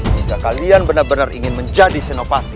jika kalian benar benar ingin menjadi senopati